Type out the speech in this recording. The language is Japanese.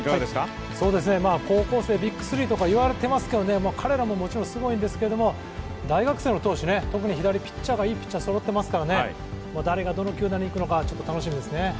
高校生ＢＩＧ３とか言われてますけど彼らももちろんすごいんですけども、大学生の投手、特に左ピッチャーがいいピッチャーがそろってますから、誰がどの球団に行くのかちょっと楽しみですね。